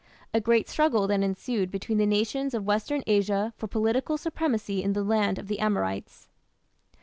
A great struggle then ensued between the nations of western Asia for political supremacy in the "land of the Amorites".